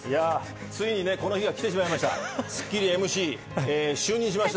ついにこの日がきてしまいました。